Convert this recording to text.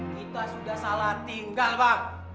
kita sudah salah tinggal pak